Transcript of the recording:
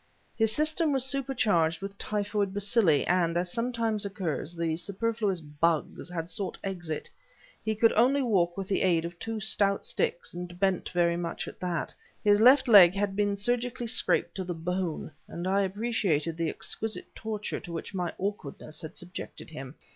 His system was supercharged with typhoid bacilli, and, as sometimes occurs, the superfluous "bugs" had sought exit. He could only walk with the aid of two stout sticks, and bent very much at that. His left leg had been surgically scraped to the bone, and I appreciated the exquisite torture to which my awkwardness had subjected him.